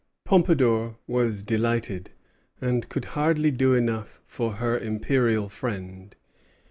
Pompadour was delighted, and could hardly do enough for her imperial friend.